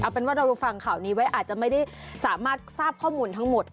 เป็นว่าเราฟังข่าวนี้ไว้อาจจะไม่ได้สามารถทราบข้อมูลทั้งหมด